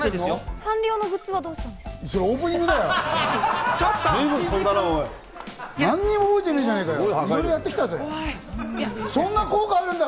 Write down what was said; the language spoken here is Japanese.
サンリオのグッズはどうしたんですか？